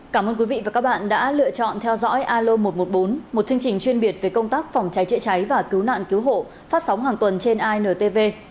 cảm ơn quý vị và các bạn đã lựa chọn theo dõi alo một trăm một mươi bốn một chương trình chuyên biệt về công tác phòng cháy chữa cháy và cứu nạn cứu hộ phát sóng hàng tuần trên intv